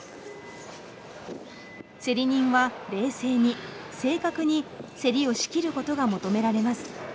競り人は冷静に正確に競りを仕切ることが求められます。